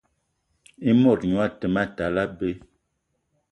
I mot gnion a te ma tal abei